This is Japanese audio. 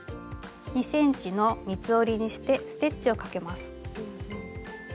２ｃｍの三つ折りにしてステッチをかけます。